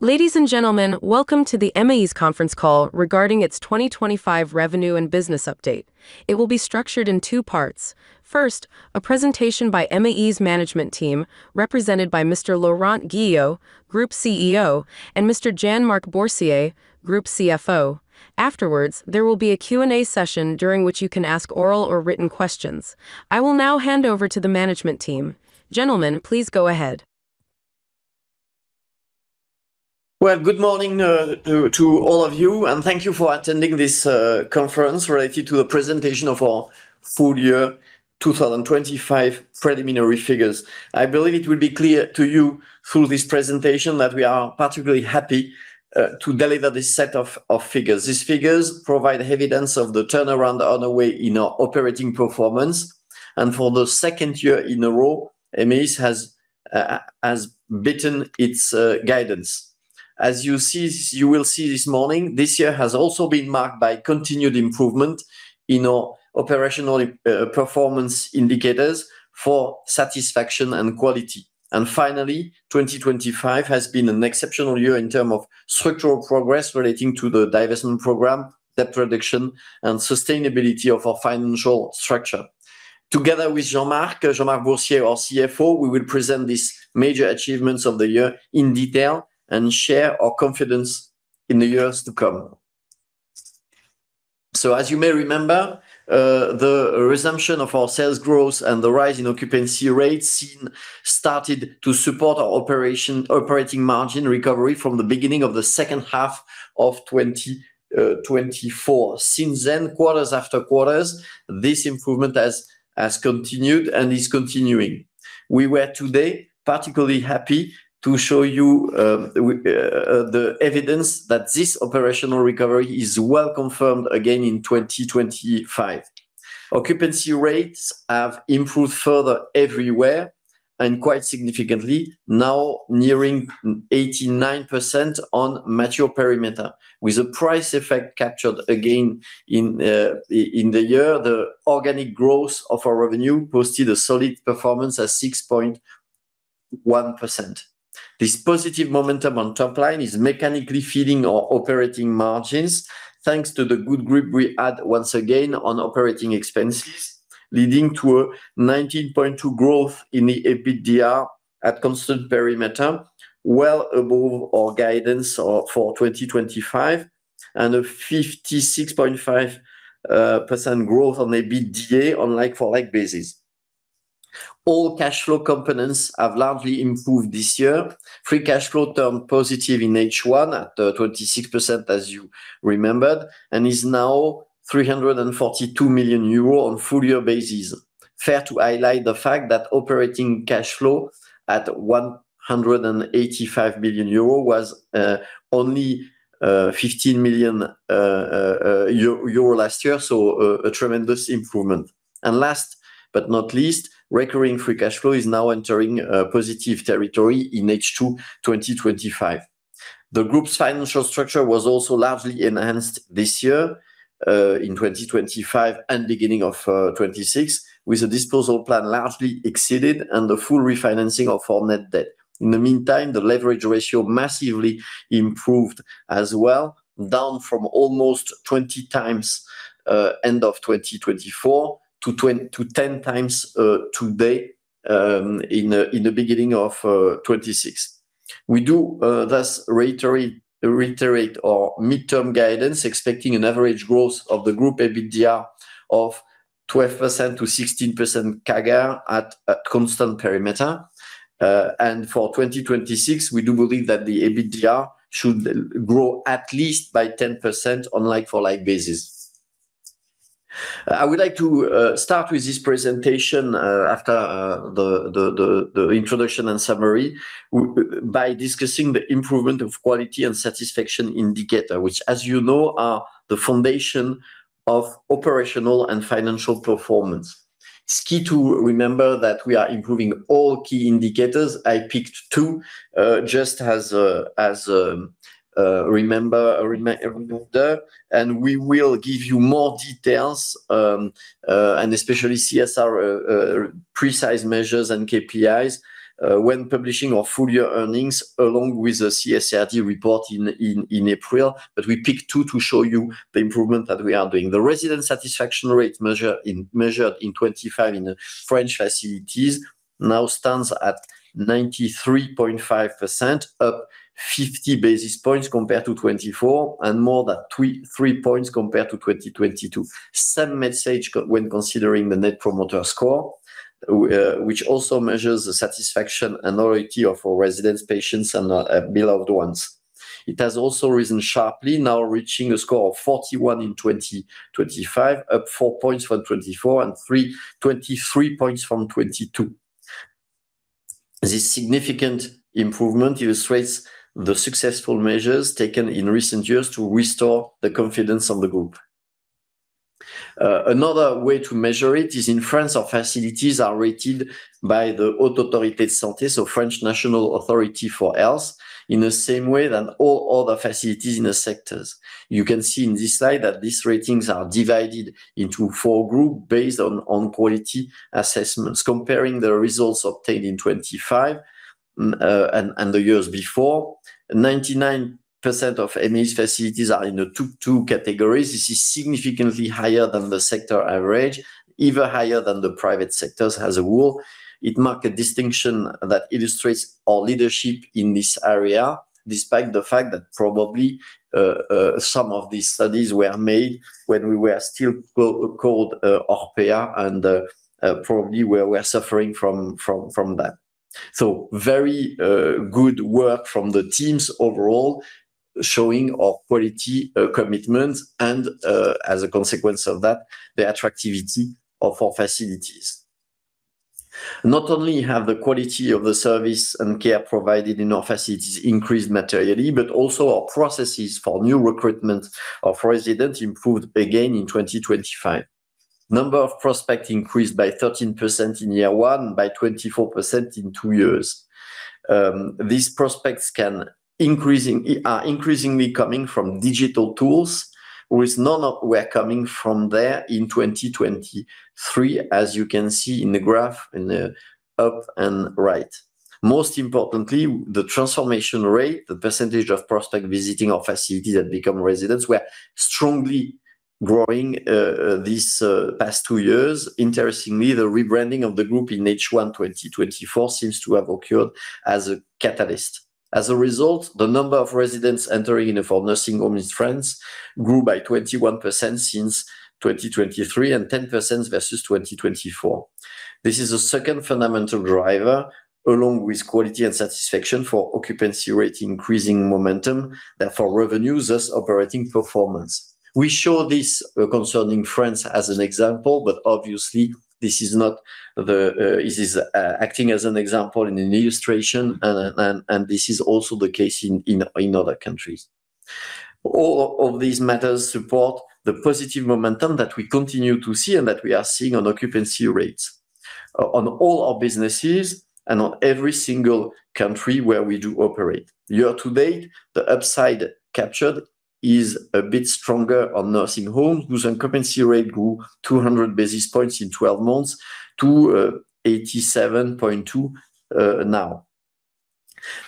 Ladies and gentlemen, welcome to the emeis Conference Call regarding its 2025 Revenue and Business Update. It will be structured in two parts. First, a presentation by emeis' management team, represented by Mr. Laurent Guillot, Group CEO, and Mr. Jean-Marc Boursier, Group CFO. Afterwards, there will be a Q&A session during which you can ask oral or written questions. I will now hand over to the management team. Gentlemen, please go ahead. Well, good morning to all of you, and thank you for attending this conference related to the presentation of our full year 2025 preliminary figures. I believe it will be clear to you through this presentation that we are particularly happy to deliver this set of figures. These figures provide evidence of the turnaround on the way in our operating performance, and for the second year in a row, emeis has beaten its guidance. You will see this morning, this year has also been marked by continued improvement in our operational performance indicators for satisfaction and quality. And finally, 2025 has been an exceptional year in terms of structural progress relating to the divestment program, debt reduction, and sustainability of our financial structure. Together with Jean-Marc, Jean-Marc Boursier, our CFO, we will present these major achievements of the year in detail and share our confidence in the years to come. So, as you may remember, the resumption of our sales growth and the rise in occupancy rates started to support our operating margin recovery from the beginning of the second half of 2024. Since then, quarters after quarters, this improvement has continued and is continuing. We were today particularly happy to show you the evidence that this operational recovery is well confirmed again in 2025. Occupancy rates have improved further everywhere and quite significantly, now nearing 89% on mature perimeter. With the price effect captured again in the year, the organic growth of our revenue posted a solid performance at 6.1%. This positive momentum on top line is mechanically feeding our operating margins, thanks to the good grip we had once again on operating expenses, leading to a 19.2% growth in the EBITDA at constant perimeter, well above our guidance of-- for 2025, and a 56.5% growth on EBITDA on like-for-like basis. All cash flow components have largely improved this year. Free cash flow turned positive in H1 at 26%, as you remembered, and is now 342 million euros on full-year basis. Fair to highlight the fact that operating cash flow at 185 million euro was only 15 million euro last year, so a tremendous improvement. Last but not least, recurring free cash flow is now entering positive territory in H2 2025. The group's financial structure was also largely enhanced this year, in 2025 and beginning of 2026, with the disposal plan largely exceeded and the full refinancing of our net debt. In the meantime, the leverage ratio massively improved as well, down from almost 20 times end of 2024 to 10x today, in the beginning of 2026. We do thus reiterate our midterm guidance, expecting an average growth of the group EBITDA of 12%-16% CAGR at constant perimeter. And for 2026, we do believe that the EBITDA should grow at least by 10% on like-for-like basis. I would like to start with this presentation after the introduction and summary by discussing the improvement of quality and satisfaction indicator, which, as you know, are the foundation of operational and financial performance. It's key to remember that we are improving all key indicators. I picked two just as remember, and we will give you more details, and especially CSR, precise measures and KPIs, when publishing our full year earnings, along with the CSRD report in April. We picked two to show you the improvement that we are doing. The resident satisfaction rate measured in 2025 in the French facilities now stands at 93.5%, up 50 basis points compared to 2024, and more than 3.3 points compared to 2022. Same message when considering the Net Promoter Score, which also measures the satisfaction and loyalty of our residents, patients, and beloved ones. It has also risen sharply, now reaching a score of 41 in 2025, up 4 points from 2024 and 23 points from 2022. This significant improvement illustrates the successful measures taken in recent years to restore the confidence of the group. Another way to measure it is in France, our facilities are rated by the Haute Autorité de Santé, so French National Authority for Health, in the same way than all other facilities in the sectors. You can see in this slide that these ratings are divided into four groups based on quality assessments, comparing the results obtained in 2025, and the years before. 99% of emeis facilities are in the two categories. This is significantly higher than the sector average, even higher than the private sectors as a whole. It marks a distinction that illustrates our leadership in this area, despite the fact that probably some of these studies were made when we were still called Orpea, and probably we're suffering from that. Very good work from the teams overall, showing our quality commitment and, as a consequence of that, the attractivity of our facilities. Not only have the quality of the service and care provided in our facilities increased materially, but also our processes for new recruitment of residents improved again in 2025. Number of prospects increased by 13% in year one, by 24% in two years. These prospects are increasingly coming from digital tools, which none were coming from there in 2023, as you can see in the graph in the up and right. Most importantly, the transformation rate, the percentage of prospect visiting our facilities that become residents, were strongly growing these past two years. Interestingly, the rebranding of the group in H1 2024 seems to have occurred as a catalyst. As a result, the number of residents entering into our nursing home in France grew by 21% since 2023, and 10% versus 2024. This is a second fundamental driver, along with quality and satisfaction for occupancy rate, increasing momentum, therefore, revenues, thus operating performance. We show this concerning France as an example, but obviously this is not the. This is acting as an example in an illustration, and this is also the case in other countries. All of these matters support the positive momentum that we continue to see and that we are seeing on occupancy rates on all our businesses and on every single country where we do operate. Year to date, the upside captured is a bit stronger on nursing homes, whose occupancy rate grew 200 basis points in 12 months to 87.2% now.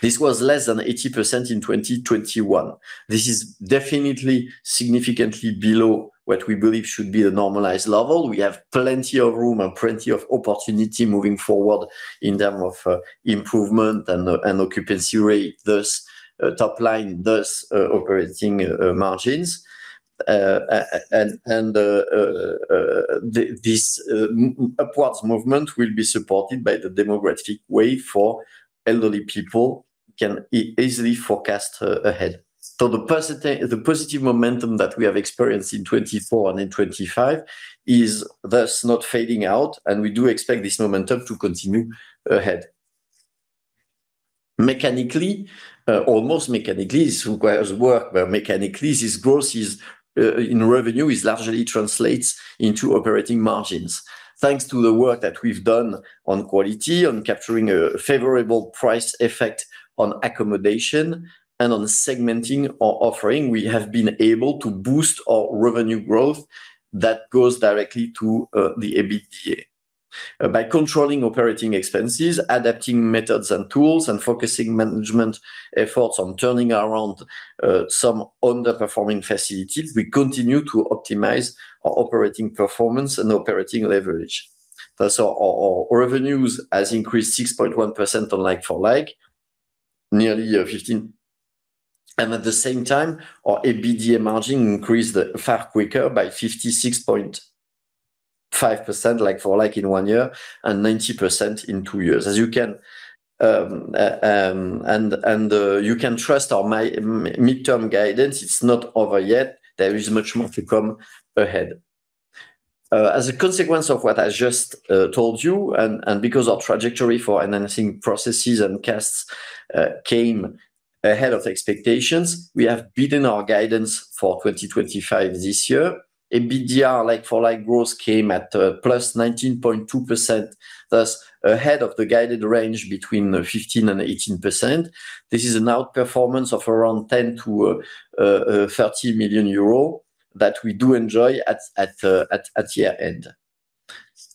This was less than 80% in 2021. This is definitely significantly below what we believe should be the normalized level. We have plenty of room and plenty of opportunity moving forward in terms of improvement and occupancy rate, thus, top line, thus, operating margins. And the, this upwards movement will be supported by the demographic wave for elderly people can easily forecast ahead. The positive momentum that we have experienced in 2024 and in 2025 is thus not fading out, and we do expect this momentum to continue ahead. Mechanically, almost mechanically, this requires work, but mechanically, this growth in revenue largely translates into operating margins. Thanks to the work that we've done on quality, on capturing a favorable price effect on accommodation, and on segmenting our offering, we have been able to boost our revenue growth that goes directly to the EBITDA. By controlling operating expenses, adapting methods and tools, and focusing management efforts on turning around some underperforming facilities, we continue to optimize our operating performance and operating leverage. Thus, our revenues has increased 6.1% on like-for-like, nearly 15-year, and at the same time, our EBITDA margin increased far quicker by 56.5% like-for-like in one year and 90% in two years. As you can, you can trust our mid-term guidance, it's not over yet. There is much more to come ahead. As a consequence of what I just told you, and because our trajectory for enhancing processes and costs came ahead of the expectations, we have beaten our guidance for 2025 this year. EBITDA like-for-like growth came at +19.2%, thus ahead of the guided range between 15%-18%. This is an outperformance of around 10 million-30 million euro that we do enjoy at year-end.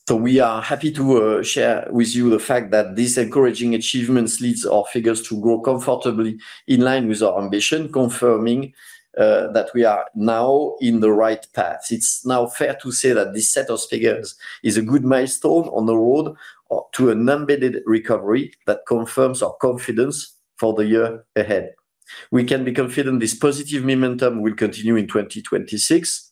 So we are happy to share with you the fact that these encouraging achievements leads our figures to grow comfortably in line with our ambition, confirming that we are now in the right path. It's now fair to say that this set of figures is a good milestone on the road to an embedded recovery that confirms our confidence for the year ahead. We can be confident this positive momentum will continue in 2026,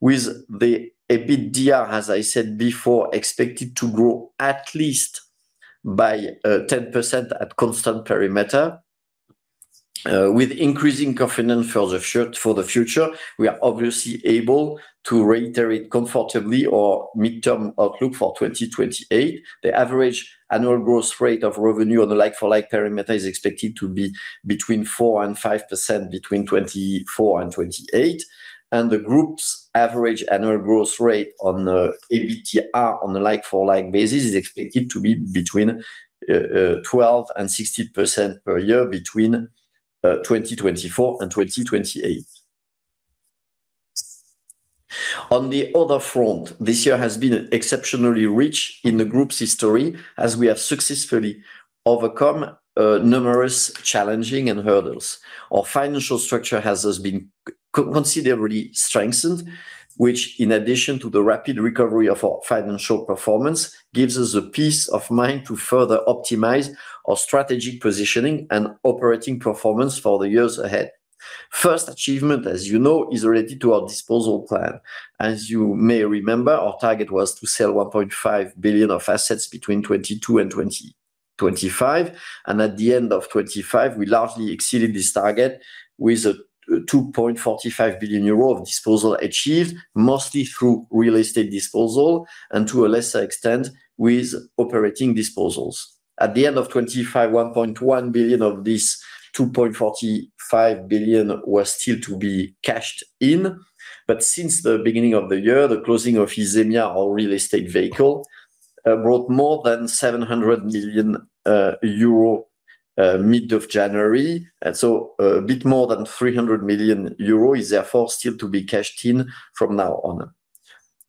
with the EBITDA, as I said before, expected to grow at least by 10% at constant perimeter. With increasing confidence for the future, we are obviously able to reiterate comfortably our midterm outlook for 2028. The average annual growth rate of revenue on the like-for-like parameter is expected to be between 4% and 5% between 2024 and 2028, and the group's average annual growth rate on the EBITDAR on the like-for-like basis is expected to be between 12% and 16% per year between 2024 and 2028. On the other front, this year has been exceptionally rich in the group's history, as we have successfully overcome numerous challenging and hurdles. Our financial structure has thus been considerably strengthened, which, in addition to the rapid recovery of our financial performance, gives us a peace of mind to further optimize our strategic positioning and operating performance for the years ahead. First achievement, as you know, is related to our disposal plan. As you may remember, our target was to sell 1.5 billion of assets between 2022 and 2025, and at the end of 2025, we largely exceeded this target with a 2.45 billion euro of disposal achieved, mostly through real estate disposal and to a lesser extent, with operating disposals. At the end of 2025, 1.1 billion of this 2.45 billion was still to be cashed in. But since the beginning of the year, the closing of Isemia, our real estate vehicle, brought more than 700 million euro mid of January. And so a bit more than 300 million euro is therefore still to be cashed in from now on.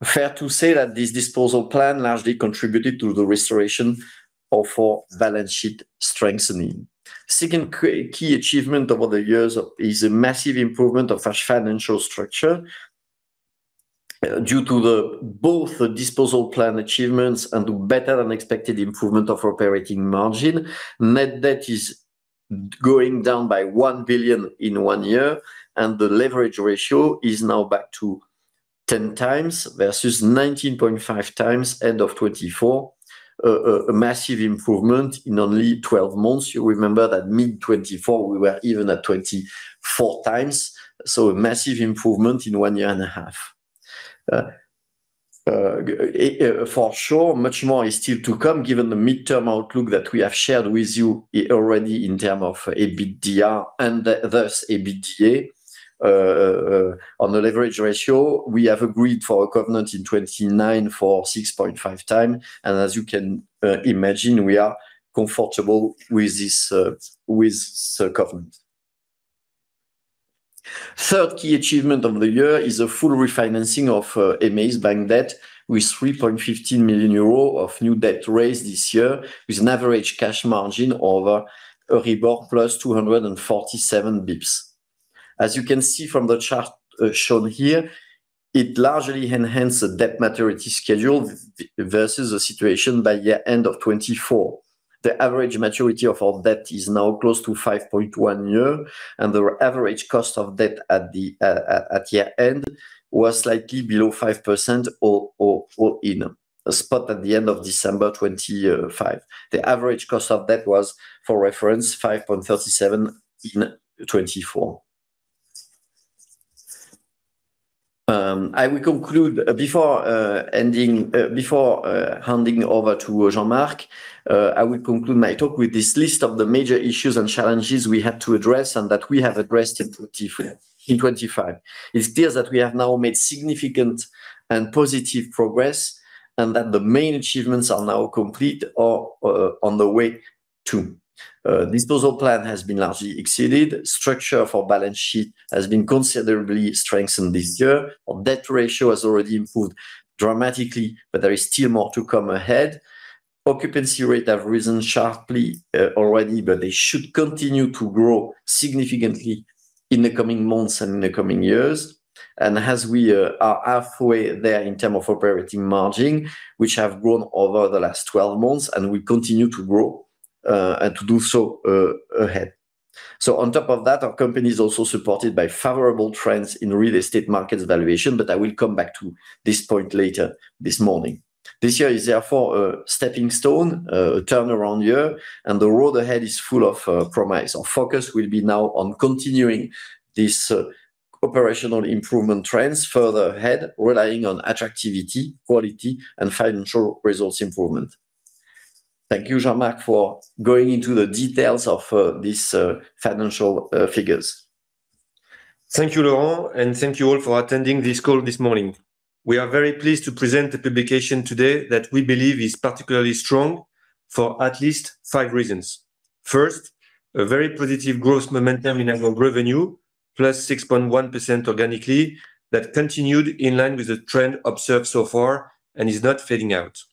Fair to say that this disposal plan largely contributed to the restoration of our balance sheet strengthening. Second key achievement over the years is a massive improvement of our financial structure. Due to the both the disposal plan achievements and the better-than-expected improvement of operating margin, net debt is going down by 1 billion in one year, and the leverage ratio is now back to 10x versus 19.5x end of 2024. A massive improvement in only 12 months. You remember that mid-2024, we were even at 24 times, so a massive improvement in one year and a half. For sure, much more is still to come, given the midterm outlook that we have shared with you, already in term of EBITDA and thus, EBITDA. On the leverage ratio, we have agreed for a covenant in 2029 for 6.5x, and as you can imagine, we are comfortable with this, with the covenant. Third key achievement of the year is a full refinancing of emeis' bank debt, with 3.15 million euros of new debt raised this year, with an average cash margin over Euribor +247 basis points. As you can see from the chart shown here, it largely enhanced the debt maturity schedule versus the situation by year end of 2024. The average maturity of our debt is now close to 5.1 years, and the average cost of debt at the year-end was slightly below 5% or in a spot at the end of December 2025. The average cost of debt was, for reference, 5.37% in 2024. I will conclude before ending before handing over to Jean-Marc. I will conclude my talk with this list of the major issues and challenges we had to address and that we have addressed in 2025. It's clear that we have now made significant and positive progress, and that the main achievements are now complete or on the way to. Disposal plan has been largely exceeded. Structure of our balance sheet has been considerably strengthened this year. Our debt ratio has already improved dramatically, but there is still more to come ahead. Occupancy rate have risen sharply already, but they should continue to grow significantly in the coming months and in the coming years. As we are halfway there in term of operating margin, which have grown over the last 12 months, and will continue to grow, and to do so, ahead. So on top of that, our company is also supported by favorable trends in real estate markets valuation, but I will come back to this point later this morning. This year is therefore a stepping stone, a turnaround year, and the road ahead is full of promise. Our focus will be now on continuing this operational improvement trends further ahead, relying on attractivity, quality, and financial results improvement. Thank you, Jean-Marc, for going into the details of these financial figures. Thank you, Laurent, and thank you all for attending this call this morning. We are very pleased to present the publication today that we believe is particularly strong for at least five reasons. First, a very positive growth momentum in our revenue, +6.1% organically, that continued in line with the trend observed so far and is not fading out.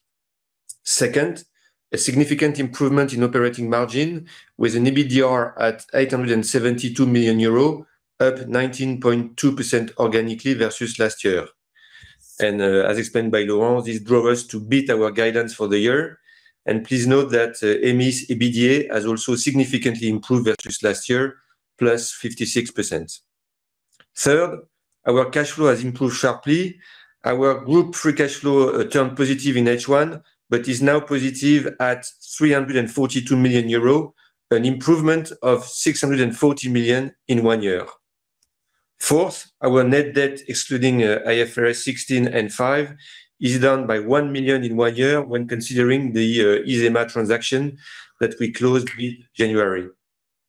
Second, a significant improvement in operating margin with an EBITDA at 872 million euros, up 19.2% organically versus last year. And, as explained by Laurent, this drove us to beat our guidance for the year. And please note that, emeis EBITDA has also significantly improved versus last year, +56%. Third, our cash flow has improved sharply. Our group free cash flow turned positive in H1, but is now positive at 342 million euro, an improvement of 640 million in one year. Fourth, our net debt, excluding IFRS 16 and 5, is down by 1 million in one year when considering the Isemia transaction that we closed in January.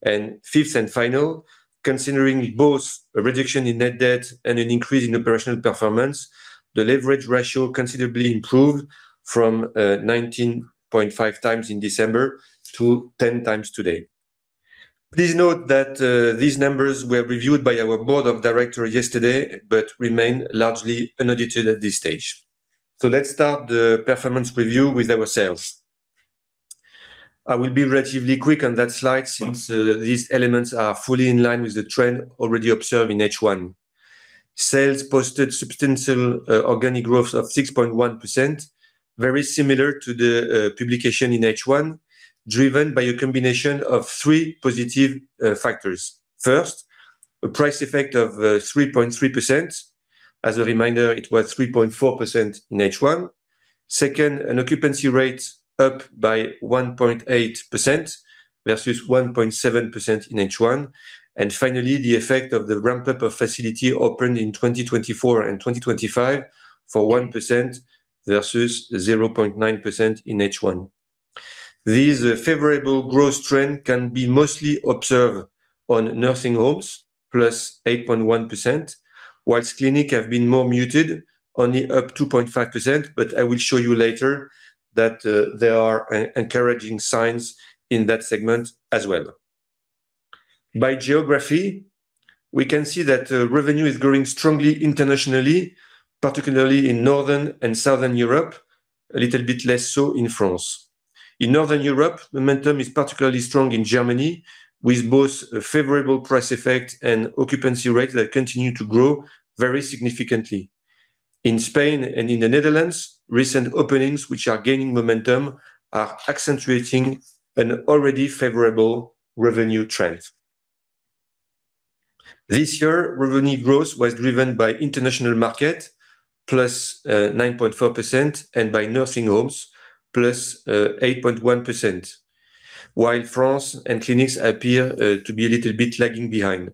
And fifth and final, considering both a reduction in net debt and an increase in operational performance, the leverage ratio considerably improved from 19.5x in December to 10x today. Please note that these numbers were reviewed by our Board of Directors yesterday, but remain largely unaudited at this stage. So let's start the performance review with our sales. I will be relatively quick on that slide since these elements are fully in line with the trend already observed in H1. Sales posted substantial organic growth of 6.1%, very similar to the publication in H1, driven by a combination of three positive factors. First, a price effect of 3.3%. As a reminder, it was 3.4% in H1. Second, an occupancy rate up by 1.8% versus 1.7% in H1. And finally, the effect of the ramp-up of facility opened in 2024 and 2025 for 1% versus 0.9% in H1. This favorable growth trend can be mostly observed on nursing homes, +8.1%, whilst clinics have been more muted, only up 2.5%, but I will show you later that there are encouraging signs in that segment as well. By geography, we can see that revenue is growing strongly internationally, particularly in Northern and Southern Europe, a little bit less so in France. In Northern Europe, momentum is particularly strong in Germany, with both a favorable price effect and occupancy rates that continue to grow very significantly. In Spain and in the Netherlands, recent openings, which are gaining momentum, are accentuating an already favorable revenue trend. This year, revenue growth was driven by international market, +9.4%, and by nursing homes, +8.1%, while France and clinics appear to be a little bit lagging behind.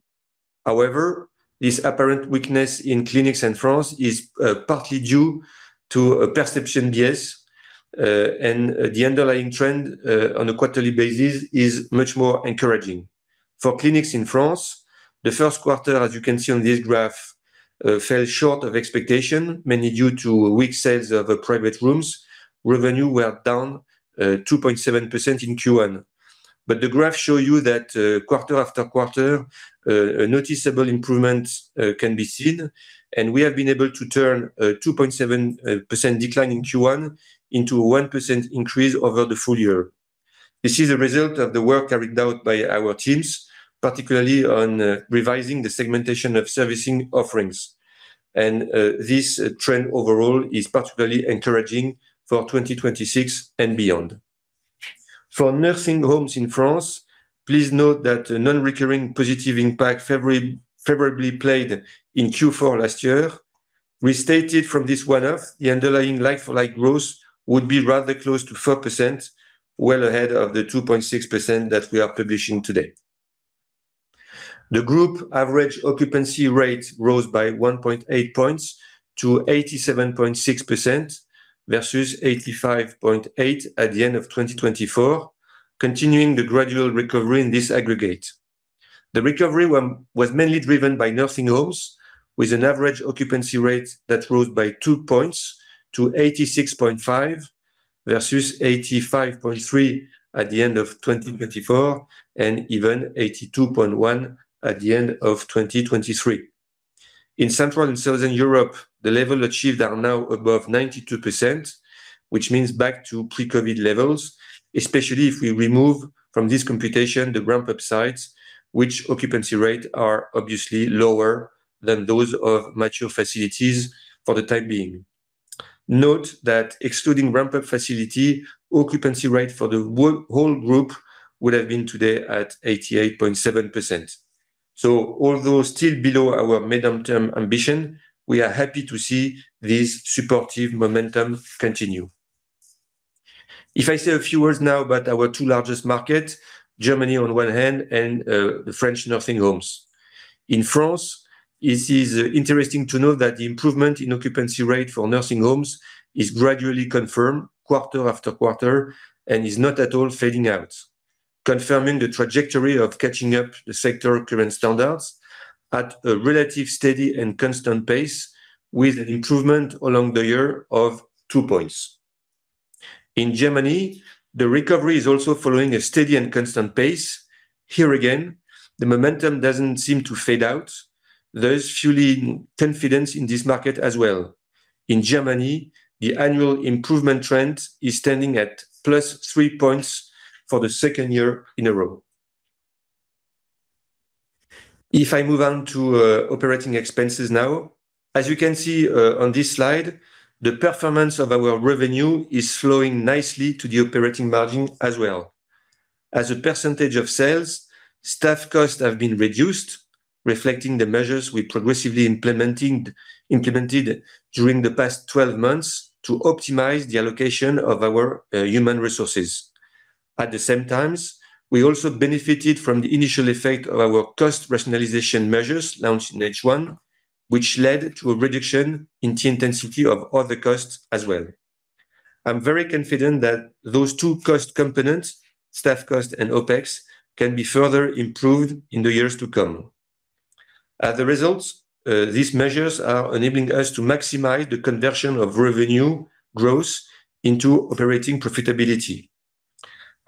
However, this apparent weakness in clinics in France is partly due to a perception bias, and the underlying trend on a quarterly basis is much more encouraging. For clinics in France, the first quarter, as you can see on this graph, fell short of expectation, mainly due to weak sales of private rooms. Revenue were down 2.7% in Q1. The graph show you that quarter after quarter, a noticeable improvement can be seen, and we have been able to turn a 2.7% decline in Q1 into a 1% increase over the full year. This is a result of the work carried out by our teams, particularly on revising the segmentation of servicing offerings. This trend overall is particularly encouraging for 2026 and beyond. For nursing homes in France, please note that a non-recurring positive impact favorably played in Q4 last year. Restated from this one-off, the underlying like-for-like growth would be rather close to 4%, well ahead of the 2.6% that we are publishing today. The group average occupancy rate rose by 1.8 percentage points to 87.6% versus 85.8% at the end of 2024, continuing the gradual recovery in this aggregate. The recovery was mainly driven by nursing homes, with an average occupancy rate that rose by 2 percentage points to 86.5% versus 85.3% at the end of 2024, and even 82.1% at the end of 2023. In Central and Southern Europe, the level achieved is now above 92%, which means back to pre-COVID levels, especially if we remove from this computation the ramp-up sites, which occupancy rates are obviously lower than those of mature facilities for the time being. Note that excluding ramp-up facility, occupancy rate for the whole group would have been today at 88.7%. So although still below our medium-term ambition, we are happy to see this supportive momentum continue. If I say a few words now about our two largest markets, Germany on one hand and the French nursing homes. In France, it is interesting to note that the improvement in occupancy rate for nursing homes is gradually confirmed quarter after quarter and is not at all fading out, confirming the trajectory of catching up the sector current standards at a relative, steady and constant pace, with an improvement along the year of 2 points. In Germany, the recovery is also following a steady and constant pace. Here again, the momentum doesn't seem to fade out, thus fueling confidence in this market as well. In Germany, the annual improvement trend is standing at +3 points for the second year in a row. If I move on to operating expenses now. As you can see, on this slide, the performance of our revenue is flowing nicely to the operating margin as well. As a percentage of sales, staff costs have been reduced, reflecting the measures we progressively implementing, implemented during the past 12 months to optimize the allocation of our human resources. At the same time, we also benefited from the initial effect of our cost rationalization measures launched in H1, which led to a reduction in the intensity of other costs as well. I'm very confident that those two cost components, staff cost and OpEx, can be further improved in the years to come. As a result, these measures are enabling us to maximize the conversion of revenue growth into operating profitability.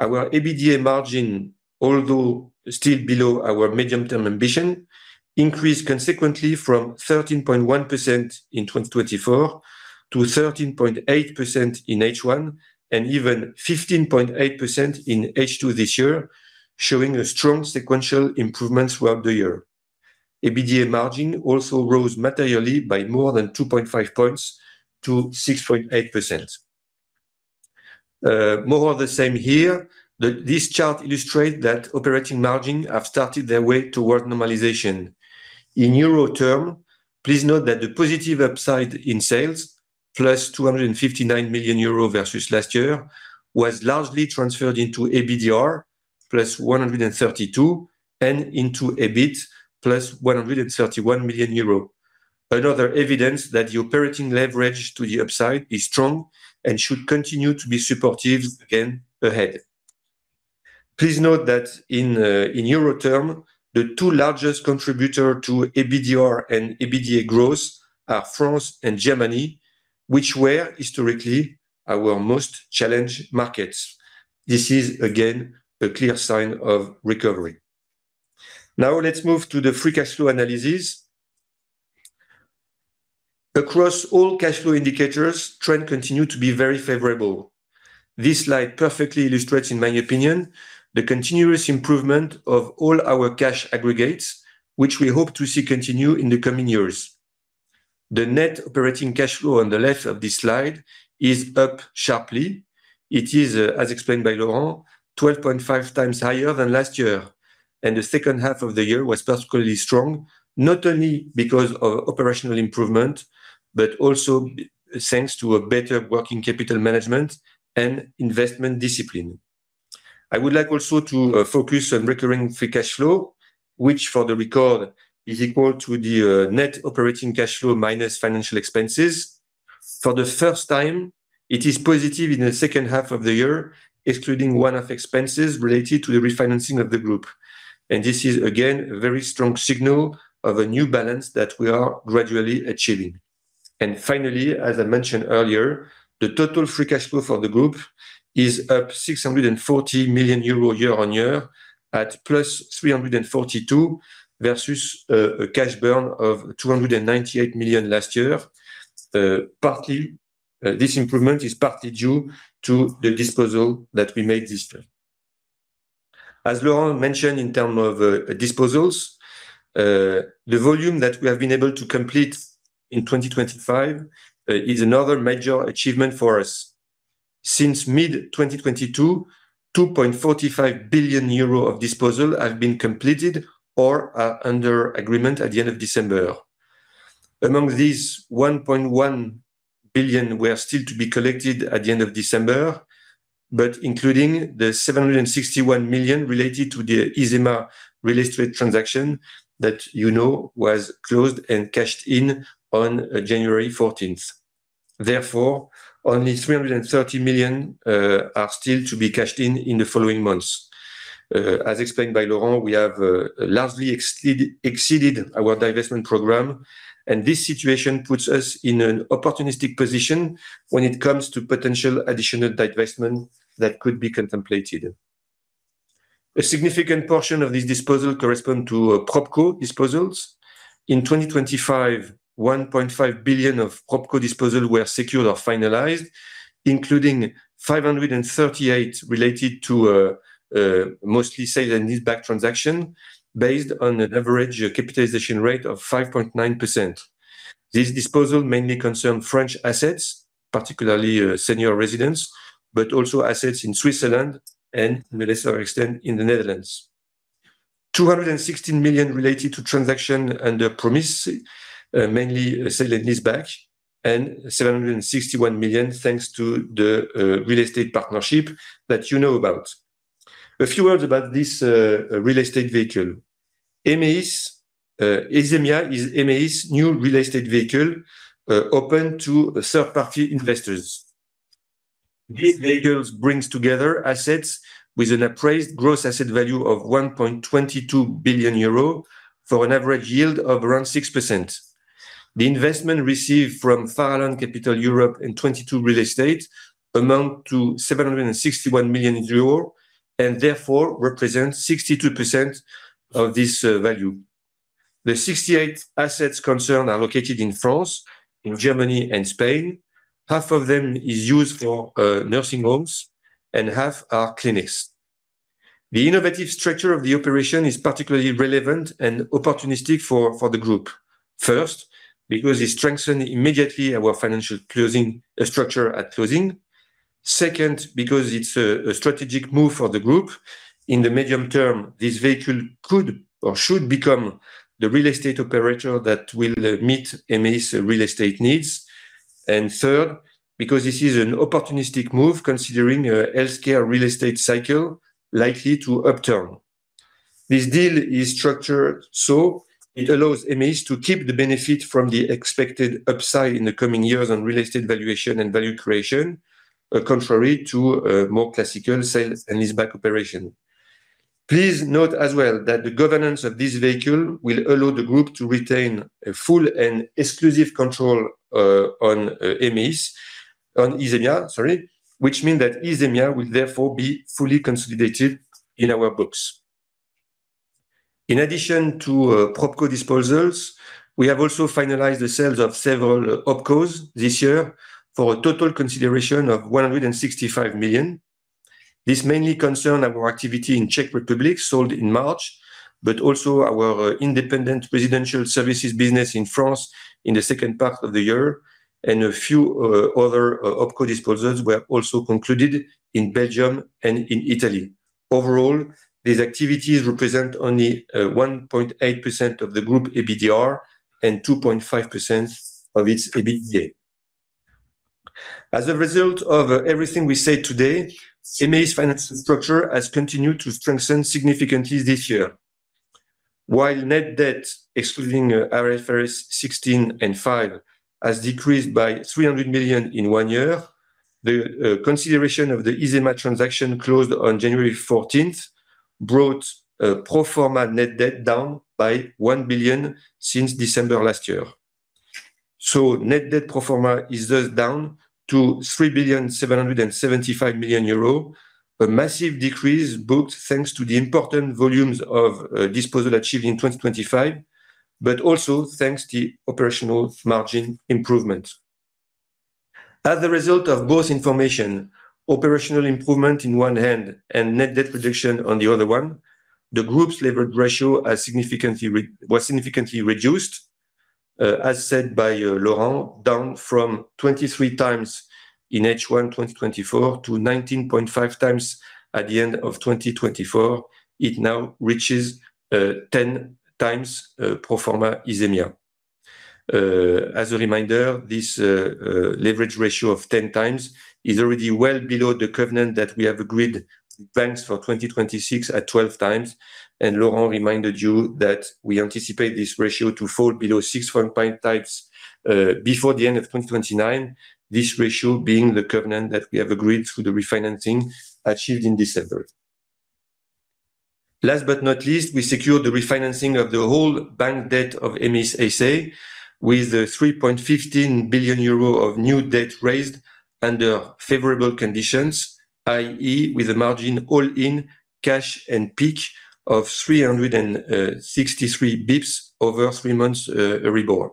Our EBITDA margin, although still below our medium-term ambition, increased consequently from 13.1% in 2024 to 13.8% in H1, and even 15.8% in H2 this year, showing a strong sequential improvement throughout the year. EBITDA margin also rose materially by more than 2.5 points to 6.8%. More of the same here. This chart illustrates that operating margin have started their way toward normalization. In euro terms, please note that the positive upside in sales, 259 million euro+ versus last year, was largely transferred into EBITDA, 132 million+, and into EBIT, 131 million euro+. Another evidence that the operating leverage to the upside is strong and should continue to be supportive again ahead. Please note that in, in euro term, the two largest contributor to EBITDA and EBITDA growth are France and Germany, which were historically our most challenged markets. This is, again, a clear sign of recovery. Now, let's move to the free cash flow analysis. Across all cash flow indicators, trend continue to be very favorable. This slide perfectly illustrates, in my opinion, the continuous improvement of all our cash aggregates, which we hope to see continue in the coming years. The net operating cash flow on the left of this slide is up sharply. It is, as explained by Laurent, 12.5x higher than last year, and the second half of the year was particularly strong, not only because of operational improvement, but also thanks to a better working capital management and investment discipline. I would like also to focus on recurring free cash flow, which, for the record, is equal to the net operating cash flow minus financial expenses. For the first time, it is positive in the second half of the year, excluding one-off expenses related to the refinancing of the group. And this is, again, a very strong signal of a new balance that we are gradually achieving. Finally, as I mentioned earlier, the total free cash flow for the group is up 640 million euro year-on-year, at 342 million+ versus a cash burn of 298 million last year. Partly, this improvement is partly due to the disposal that we made this year. As Laurent mentioned, in term of disposals, the volume that we have been able to complete in 2025 is another major achievement for us. Since mid-2022, 2.45 billion euros of disposal have been completed or are under agreement at the end of December. Among these, 1.1 billion were still to be collected at the end of December, but including the 761 million related to the Isemia real estate transaction that you know, was closed and cashed in on January fourteenth. Therefore, only 330 million are still to be cashed in in the following months. As explained by Laurent, we have largely exceeded our divestment program, and this situation puts us in an opportunistic position when it comes to potential additional divestment that could be contemplated. A significant portion of this disposal correspond to PropCo disposals. In 2025, 1.5 billion of PropCo disposal were secured or finalized, including 538 million related to mostly sale and leaseback transaction, based on an average capitalization rate of 5.9%. This disposal mainly concerned French assets, particularly senior residents, but also assets in Switzerland and to a lesser extent, in the Netherlands. 216 million related to transaction under promise, mainly sale and leaseback, and 761 million, thanks to the real estate partnership that you know about. A few words about this real estate vehicle. emeis, Isemia is emeis's new real estate vehicle, open to third-party investors. These vehicles bring together assets with an appraised gross asset value of 1.22 billion euro, for an average yield of around 6%. The investment received from Farallon Capital Europe in TwentyTwo Real Estate amount to 761 million euro, and therefore represents 62% of this value. The 68 assets concerned are located in France, in Germany, and Spain. Half of them is used for nursing homes and half are clinics. The innovative structure of the operation is particularly relevant and opportunistic for the group. First, because it strengthen immediately our financial closing structure at closing. Second, because it's a strategic move for the group. In the medium term, this vehicle could or should become the real estate operator that will meet MA's real estate needs. And third, because this is an opportunistic move, considering healthcare real estate cycle likely to upturn. This deal is structured, so it allows MA to keep the benefit from the expected upside in the coming years on real estate valuation and value creation, contrary to a more classical sale and leaseback operation. Please note as well that the governance of this vehicle will allow the group to retain a full and exclusive control, on, MA, on Isemia, sorry, which mean that Isemia will therefore be fully consolidated in our books. In addition to, PropCo disposals, we have also finalized the sales of several OpCos this year for a total consideration of 165 million. This mainly concern our activity in Czech Republic, sold in March, but also our, independent residential services business in France in the second part of the year, and a few, other, OpCo disposals were also concluded in Belgium and in Italy. Overall, these activities represent only, 1.8% of the group EBITDA and 2.5% of its EBITDA. As a result of everything we said today, emeis's finance structure has continued to strengthen significantly this year. While net debt, excluding IFRS 16 and 5, has decreased by 300 million in one year, the consideration of the Isemia transaction closed on January fourteenth, brought pro forma net debt down by 1 billion since December last year. So net debt pro forma is thus down to 3.775 billion, a massive decrease, both thanks to the important volumes of disposal achieved in 2025, but also thanks to operational margin improvement. As a result of both information, operational improvement in one hand and net debt reduction on the other one, the group's levered ratio was significantly reduced, as said by Laurent, down from 23x in H1 2024 to 19.5x at the end of 2024, it now reaches 10x pro forma Isemia. As a reminder, this leverage ratio of 10x is already well below the covenant that we have agreed with banks for 2026 at 12x, and Laurent reminded you that we anticipate this ratio to fall below 6.5x before the end of 2029. This ratio being the covenant that we have agreed through the refinancing achieved in December. Last but not least, we secured the refinancing of the whole bank debt of emeis SA, with the 3.15 billion euro of new debt raised under favorable conditions, i.e., with a margin all-in cash and peak of 363 basis points over three months Euribor.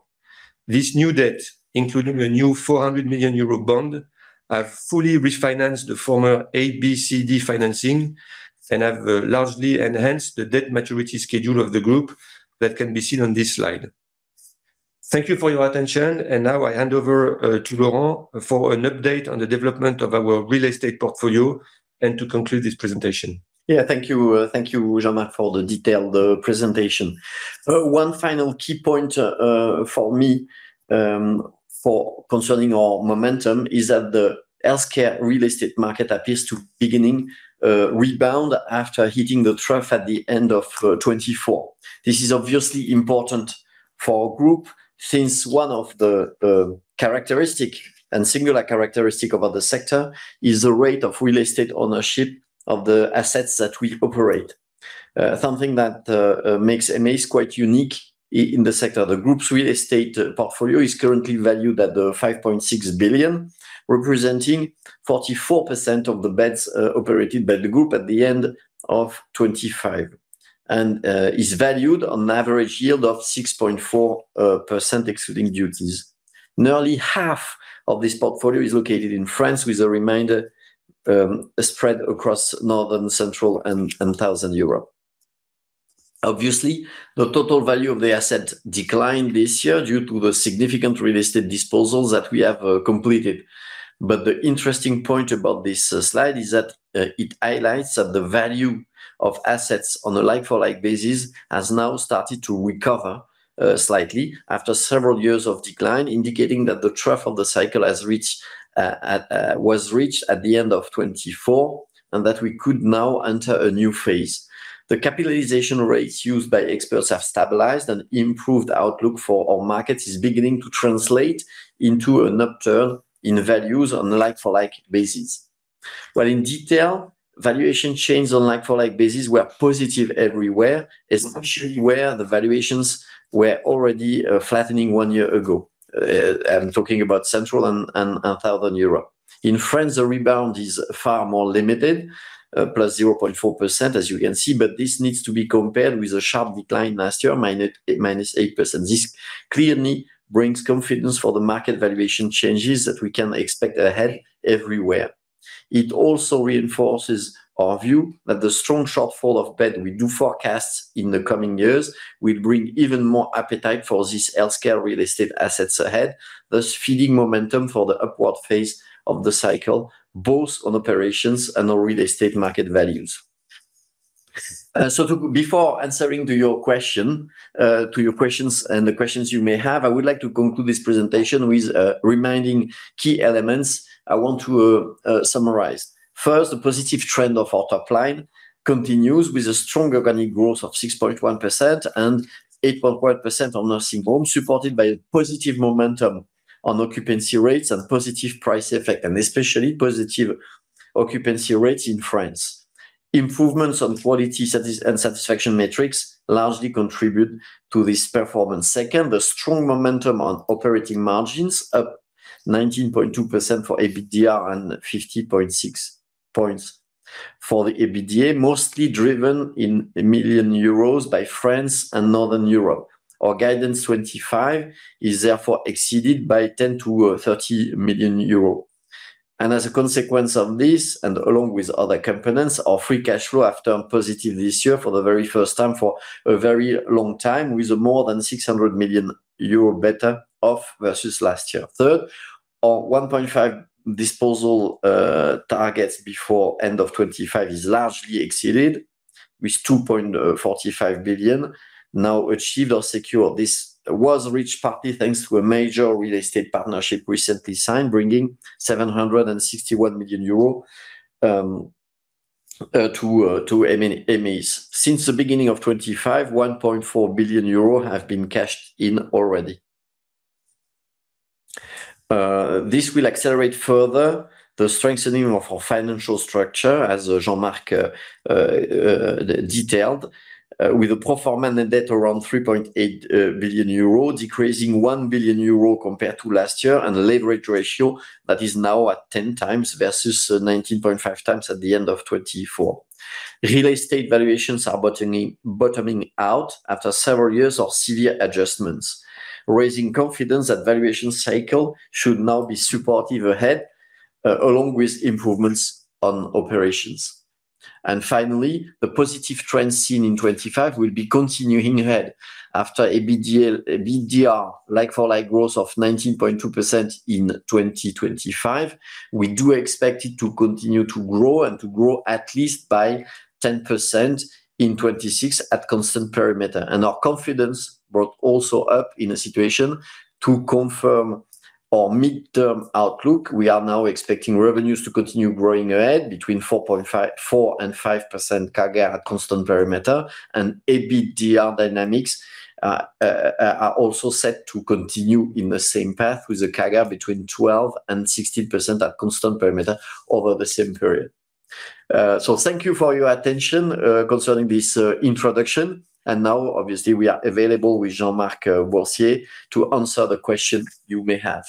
This new debt, including a new 400 million euro bond, have fully refinanced the former A, B, C, D financing and have largely enhanced the debt maturity schedule of the group that can be seen on this slide. Thank you for your attention, and now I hand over to Laurent for an update on the development of our real estate portfolio and to conclude this presentation. Yeah. Thank you. Thank you, Jean-Marc, for the detailed presentation. One final key point for me concerning our momentum is that the healthcare real estate market appears to beginning rebound after hitting the trough at the end of 2024. This is obviously important for our group, since one of the characteristic and singular characteristic about the sector is the rate of real estate ownership of the assets that we operate. Something that makes MA quite unique in the sector. The group's real estate portfolio is currently valued at 5.6 billion, representing 44% of the beds operated by the group at the end of 2025, and is valued on an average yield of 6.4%, excluding duties. Nearly half of this portfolio is located in France, with the remainder spread across Northern, Central and Southern Europe. Obviously, the total value of the asset declined this year due to the significant real estate disposals that we have completed. But the interesting point about this slide is that it highlights that the value of assets on a like-for-like basis has now started to recover slightly after several years of decline, indicating that the trough of the cycle has reached was reached at the end of 2024, and that we could now enter a new phase. The capitalization rates used by experts have stabilized, and improved outlook for our markets is beginning to translate into an upturn in values on a like-for-like basis. Well, in detail, valuation changes on like-for-like basis were positive everywhere, especially where the valuations were already flattening one year ago. I'm talking about Central and Southern Europe. In France, the rebound is far more limited, +0.4%, as you can see, but this needs to be compared with a sharp decline last year, -8%. This clearly brings confidence for the market valuation changes that we can expect ahead everywhere. It also reinforces our view that the strong shortfall of bed we do forecast in the coming years will bring even more appetite for this healthcare real estate assets ahead, thus feeding momentum for the upward phase of the cycle, both on operations and on real estate market values. So before answering to your question, to your questions and the questions you may have, I would like to conclude this presentation with reminding key elements I want to summarize. First, the positive trend of our top line continues with a strong organic growth of 6.1% and 8.1% on a same home, supported by a positive momentum on occupancy rates and positive price effect, and especially positive occupancy rates in France. Improvements on quality and satisfaction metrics largely contribute to this performance. Second, the strong momentum on operating margins, up 19.2% for EBITDAR and 50.6 points for the EBITDA, mostly driven in a million euros by France and Northern Europe. Our guidance 2025 is therefore exceeded by 10 million-30 million euros. And as a consequence of this, and along with other components, our free cash flow after positive this year for the very first time for a very long time, with more than 600 million euro better off versus last year. Third, our 1.5 billion disposal targets before end of 2025 is largely exceeded, with 2.45 billion now achieved or secured. This was reached partly thanks to a major real estate partnership recently signed, bringing 761 million euros to emeis. Since the beginning of 2025, 1.4 billion euros have been cashed in already. This will accelerate further the strengthening of our financial structure, as Jean-Marc detailed, with a pro forma net debt around 3.8 billion euro, decreasing 1 billion euro compared to last year, and leverage ratio that is now at 10x versus 19.5x at the end of 2024. Real estate valuations are bottoming out after several years of severe adjustments, raising confidence that valuation cycle should now be supportive ahead, along with improvements on operations. Finally, the positive trend seen in 2025 will be continuing ahead after EBITDA like-for-like growth of 19.2% in 2025. We do expect it to continue to grow and to grow at least by 10% in 2026 at constant perimeter. Our confidence brought also up in a situation to confirm our midterm outlook. We are now expecting revenues to continue growing ahead between 4%-5% CAGR at constant perimeter, and EBITDAR dynamics are also set to continue in the same path, with a CAGR between 12%-16% at constant perimeter over the same period. Thank you for your attention concerning this introduction. Now, obviously, we are available with Jean-Marc Boursier to answer the questions you may have.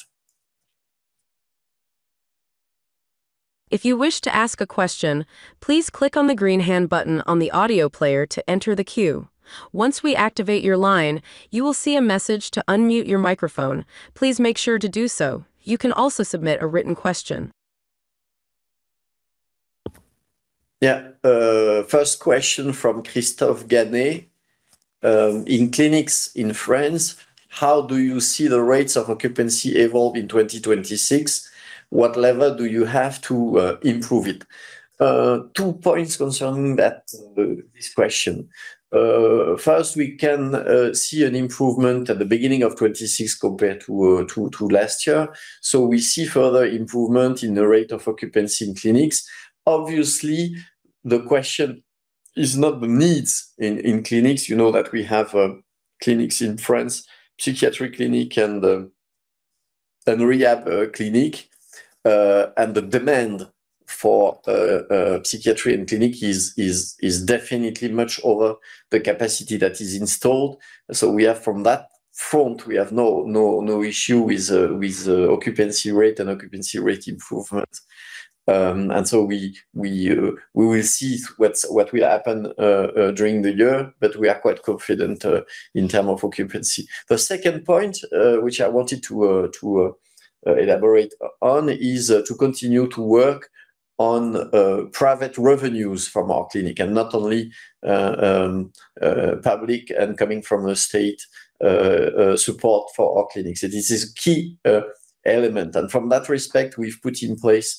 If you wish to ask a question, please click on the green hand button on the audio player to enter the queue. Once we activate your line, you will see a message to unmute your microphone. Please make sure to do so. You can also submit a written question. Yeah, first question from Christophe Ganet. "In clinics in France, how do you see the rates of occupancy evolve in 2026? What level do you have to, improve it?" Two points concerning that, this question. First, we can see an improvement at the beginning of 2026 compared to last year, so we see further improvement in the rate of occupancy in clinics. Obviously, the question is not the needs in clinics. You know that we have, clinics in France, psychiatric clinic and, and rehab, clinic. And the demand for, psychiatry and clinic is, definitely much over the capacity that is installed. So we are from that front, we have no, no, no issue with, with, occupancy rate and occupancy rate improvement. And so we will see what will happen during the year, but we are quite confident in terms of occupancy. The second point, which I wanted to elaborate on, is to continue to work on private revenues from our clinic, and not only public and coming from a state support for our clinics. This is key element, and from that respect, we've put in place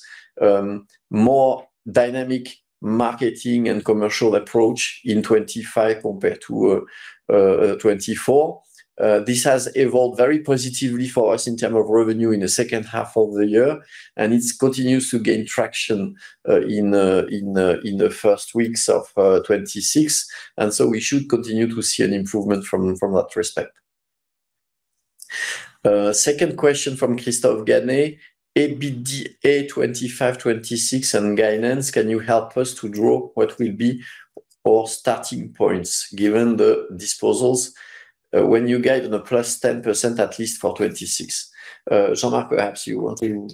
more dynamic marketing and commercial approach in 2025 compared to 2024. This has evolved very positively for us in terms of revenue in the second half of the year, and it continues to gain traction in the first weeks of 2026. So we should continue to see an improvement from that respect. Second question from Christophe Ganet: "EBITDA 2025, 2026 and guidance, can you help us to draw what will be our starting points, given the disposals, when you guide on a +10%, at least for 2026?" Jean-Marc, perhaps you want to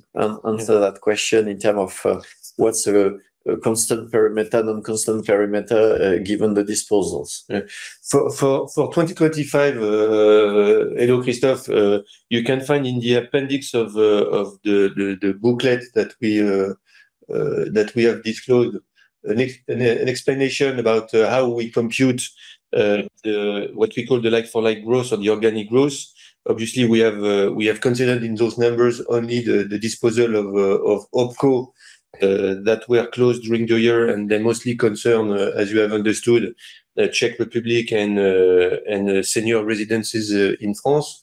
answer that question in term of, what's the, constant perimeter, non-constant perimeter, given the disposals? For 2025, hello, Christophe. You can find in the appendix of the booklet that we have disclosed an explanation about how we compute the what we call the like-for-like growth or the organic growth. Obviously, we have considered in those numbers only the disposal of OpCo that were closed during the year, and they mostly concern, as you have understood, the Czech Republic and senior residences in France.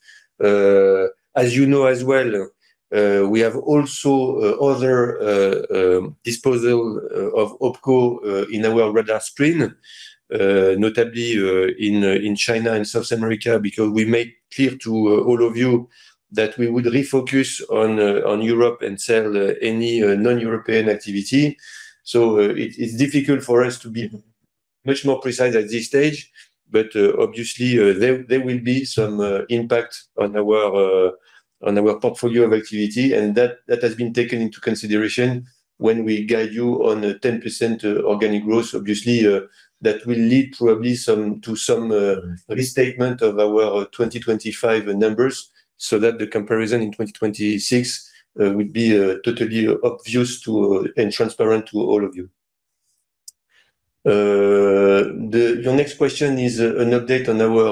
As you know as well, we have also other disposal of OpCo in our radar screen, notably in China and South America, because we made clear to all of you that we would refocus on Europe and sell any non-European activity. So it's difficult for us to be much more precise at this stage, but obviously, there will be some impact on our portfolio of activity, and that has been taken into consideration when we guide you on a 10% organic growth. Obviously, that will lead probably some to some restatement of our 2025 numbers, so that the comparison in 2026 will be totally obvious to, and transparent to all of you. Your next question is an update on our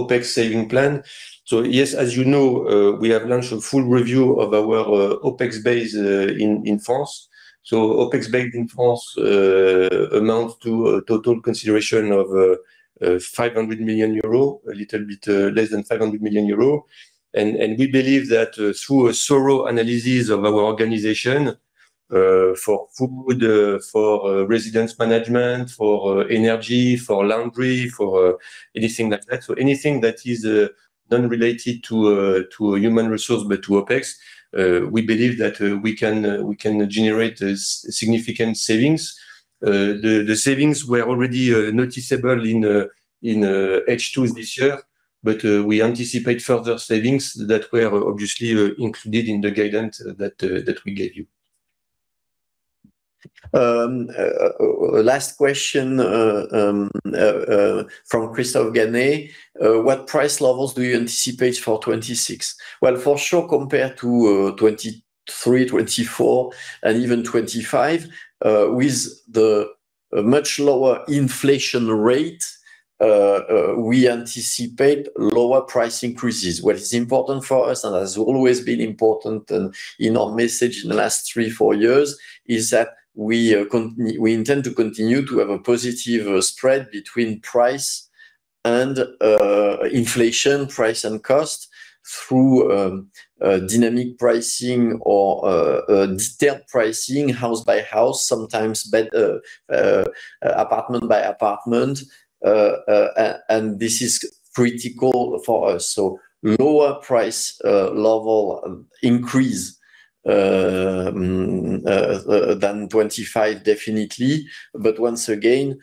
OpEx saving plan. So, yes, as you know, we have launched a full review of our OpEx base in France. So OpEx base in France amounts to a total consideration of 500 million euro, a little bit less than 500 million euro. We believe that through a thorough analysis of our organization for food, for residence management, for energy, for laundry, for anything like that, so anything that is non-related to human resource, but to OpEx, we believe that we can generate significant savings. The savings were already noticeable in H2 this year, but we anticipate further savings that were obviously included in the guidance that we gave you. Last question from Christophe Ganet. "What price levels do you anticipate for 2026?" Well, for sure, compared to 2023, 2024, and even 2025, with the much lower inflation rate, we anticipate lower price increases. What is important for us, and has always been important, and in our message in the last three, four years, is that we intend to continue to have a positive spread between price and inflation, price and cost, through dynamic pricing or detailed pricing, house by house, sometimes by apartment by apartment. And this is critical for us. So lower price level increase than 2025, definitely. But once again,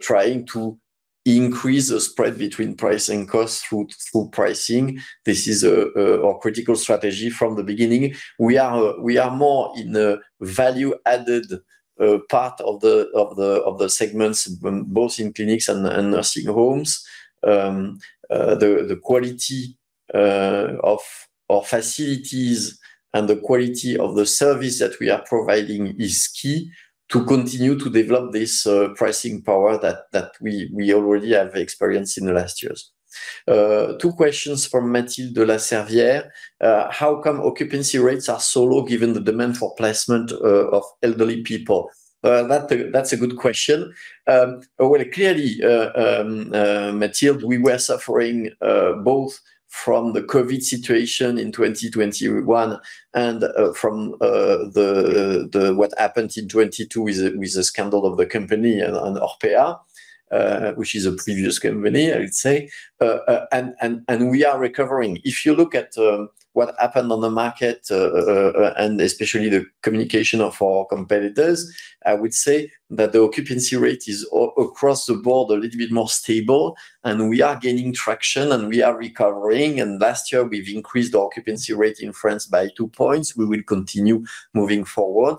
trying to increase the spread between price and cost through pricing. This is our critical strategy from the beginning. We are more in the value-added part of the segments, both in clinics and nursing homes. The quality of our facilities and the quality of the service that we are providing is key to continue to develop this pricing power that we already have experienced in the last years. Two questions from Mathilde de la Servière. "How come occupancy rates are so low, given the demand for placement of elderly people?" That's a good question. Well, clearly, Mathilde, we were suffering both from the COVID situation in 2021 and from what happened in 2022 with the scandal of the company and Orpea, which is a previous company, I would say. We are recovering. If you look at what happened on the market and especially the communication of our competitors, I would say that the occupancy rate is across the board a little bit more stable, and we are gaining traction, and we are recovering. Last year, we've increased the occupancy rate in France by 2 points. We will continue moving forward.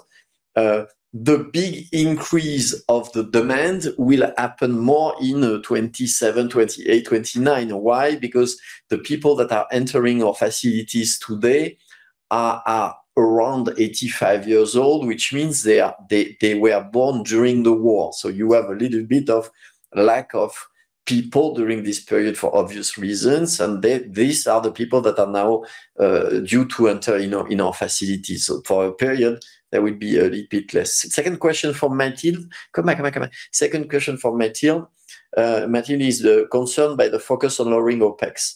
The big increase of the demand will happen more in 2027, 2028, 2029. Why? Because the people that are entering our facilities today are around 85 years old, which means they were born during the war. So you have a little bit of lack of people during this period for obvious reasons, and these are the people that are now due to enter in our facilities. So for a period, there will be a little bit less. Second question from Mathilde. Come back, come back, come back. Second question from Mathilde. Mathilde is concerned by the focus on lowering OpEx,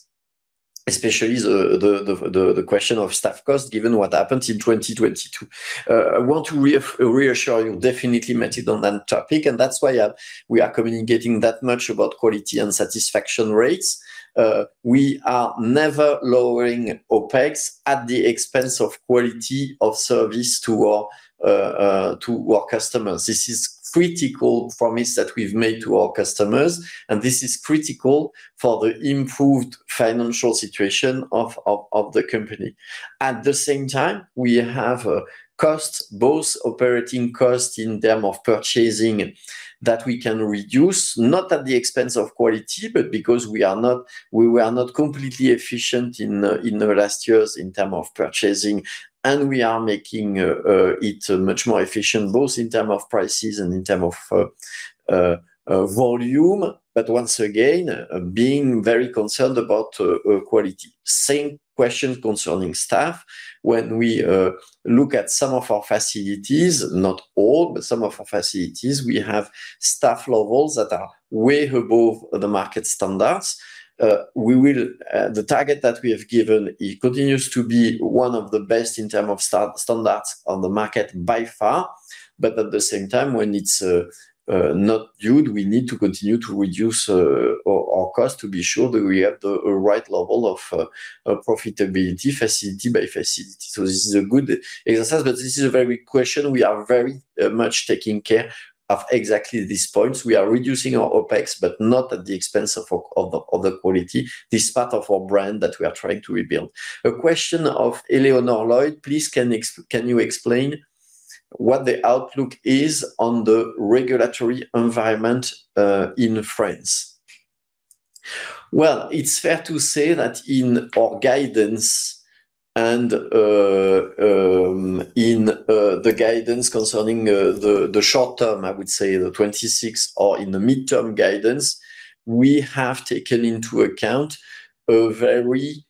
especially the question of staff cost, given what happened in 2022. I want to reassure you, definitely, Mathilde, on that topic, and that's why we are communicating that much about quality and satisfaction rates. We are never lowering OpEx at the expense of quality of service to our customers. This is critical promise that we've made to our customers, and this is critical for the improved financial situation of the company. At the same time, we have costs, both operating costs in terms of purchasing, that we can reduce, not at the expense of quality, but because we were not completely efficient in the last years in terms of purchasing, and we are making it much more efficient, both in terms of prices and in terms of volume. But once again, being very concerned about quality. Same question concerning staff. When we look at some of our facilities, not all, but some of our facilities, we have staff levels that are way above the market standards. We will—the target that we have given, it continues to be one of the best in terms of standards on the market by far, but at the same time, when it's not due, we need to continue to reduce our cost to be sure that we have the right level of profitability, facility by facility. So this is a good exercise, but this is a very question we are very much taking care of exactly these points. We are reducing our OpEx, but not at the expense of the quality. This is part of our brand that we are trying to rebuild. A question of Eleanor Lloyd: "Please, can you explain what the outlook is on the regulatory environment in France?" Well, it's fair to say that in our guidance and in the guidance concerning the short term, I would say 2026 or in the midterm guidance, we have taken into account a very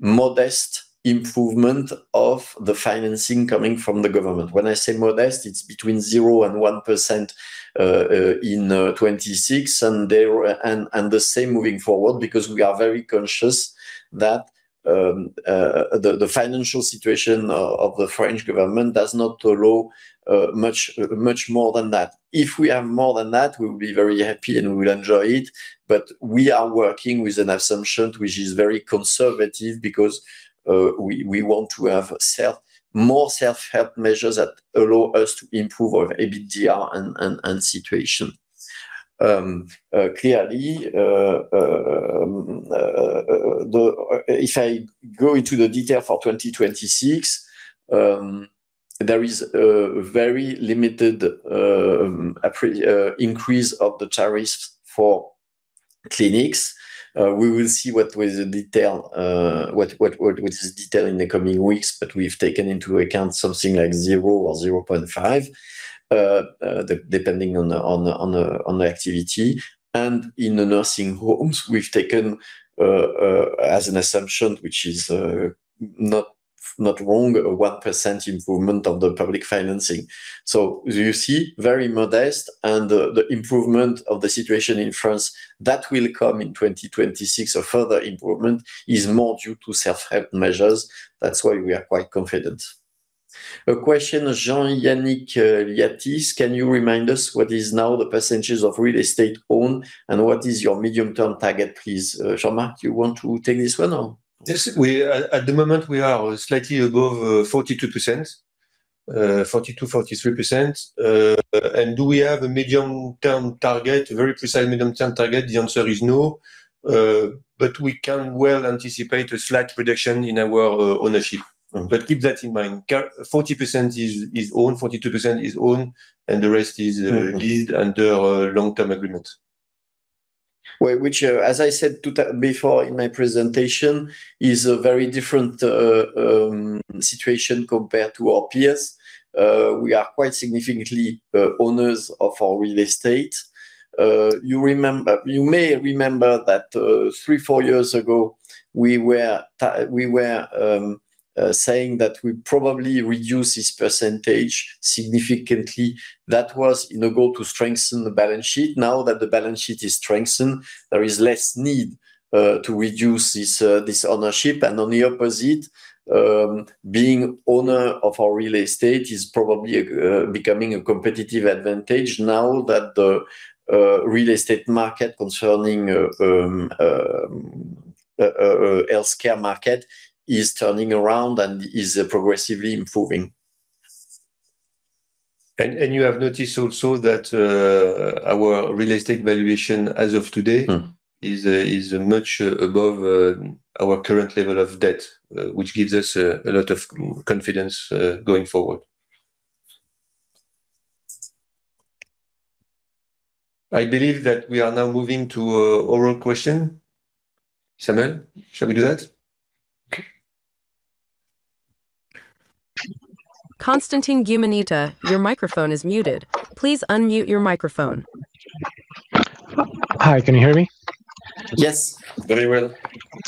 modest improvement of the financing coming from the government. When I say modest, it's between 0% and 1% in 2026, and the same moving forward, because we are very conscious that the financial situation of the French government does not allow much more than that. If we have more than that, we will be very happy, and we will enjoy it, but we are working with an assumption which is very conservative because we want to have more self-help measures that allow us to improve our EBITDA and situation. Clearly, the, if I go into the detail for 2026, there is a very limited increase of the tariffs for clinics. We will see with the detail, what is detail in the coming weeks, but we've taken into account something like 0 or 0.5, depending on the activity. In the nursing homes, we've taken, as an assumption, which is not wrong, a 1% improvement on the public financing. So you see, very modest, and the improvement of the situation in France, that will come in 2026. A further improvement is more due to self-help measures. That's why we are quite confident. A question, Jean-Yannick Liatis: "Can you remind us what is now the percentages of real estate owned, and what is your medium-term target, please?" Jean-Marc, you want to take this one or? Yes, at the moment, we are slightly above 42%, 42%-43%. Do we have a medium-term target, a very precise medium-term target? The answer is no. But we can well anticipate a slight reduction in our ownership. But keep that in mind. 40% is, is owned, 42% is owned, and the rest is leased under a long-term agreement. Well, which, as I said two times before in my presentation, is a very different situation compared to our peers. We are quite significantly owners of our real estate. You may remember that, three, four years ago, we were saying that we'd probably reduce this percentage significantly. That was in a goal to strengthen the balance sheet. Now that the balance sheet is strengthened, there is less need to reduce this ownership. And on the opposite, being owner of our real estate is probably becoming a competitive advantage now that the real estate market concerning healthcare market is turning around and is progressively improving. You have noticed also that our real estate valuation as of today-is, is much above our current level of debt, which gives us a lot of confidence going forward. I believe that we are now moving to an oral question. Samuel, shall we do that? Constantin Gumenita, your microphone is muted. Please unmute your microphone. Hi, can you hear me? Yes, very well.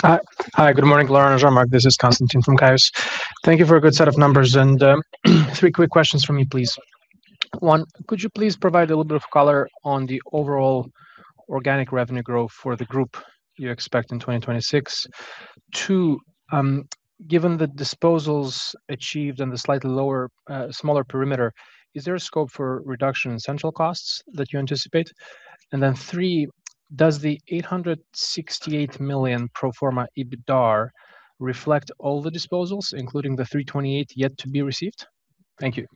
Hi. Hi, good morning, Laurent and Jean-Marc. This is Constantin from Caius. Thank you for a good set of numbers, and three quick questions from me, please. One, could you please provide a little bit of color on the overall organic revenue growth for the group you expect in 2026? Two, given the disposals achieved and the slightly lower, smaller perimeter, is there a scope for reduction in central costs that you anticipate? And then three, does the 868 million pro forma EBITDAR reflect all the disposals, including the 328 million yet to be received? Thank you.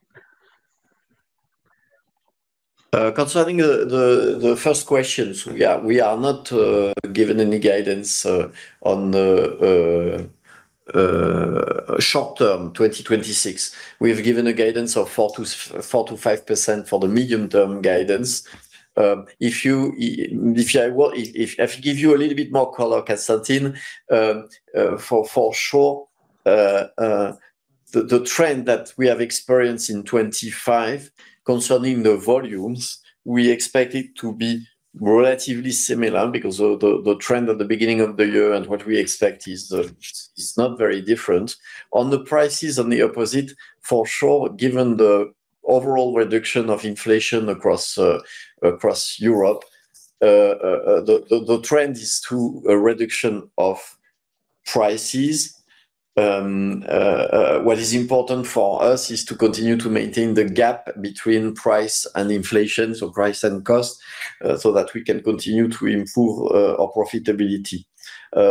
Concerning the first question, yeah, we are not giving any guidance on the short-term 2026. We have given a guidance of 4%-5% for the medium-term guidance. If I give you a little bit more color, Constantin, for sure, the trend that we have experienced in 2025 concerning the volumes, we expect it to be relatively similar because of the trend at the beginning of the year and what we expect is not very different. On the prices, on the opposite, for sure, given the overall reduction of inflation across Europe, the trend is to a reduction of prices. What is important for us is to continue to maintain the gap between price and inflation, so price and cost, so that we can continue to improve our profitability.